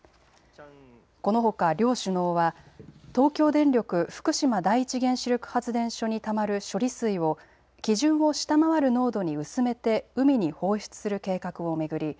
このほか両首脳は東京電力福島第一原子力発電所にたまる処理水を基準を下回る濃度に薄めて海に放出する計画を巡り